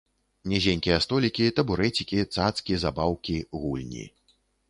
Нізенькія столікі, табурэцікі, цацкі, забаўкі, гульні.